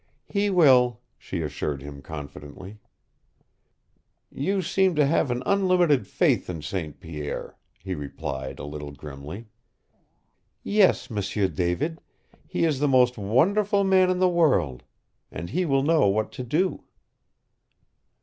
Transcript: "He will," she assured him confidently. "You seem to have an unlimited faith in St. Pierre," he replied a little grimly. "Yes, M'sieu David. He is the most wonderful man in the world. And he will know what to do."